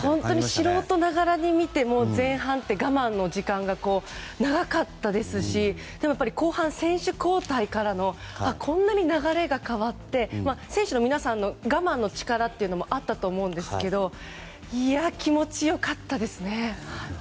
素人ながらに見ても前半って我慢の時間が長かったですし後半、選手交代からのこんなに流れが変わって選手の皆さんの我慢の力というのもあったと思うんですけど気持ち良かったですね。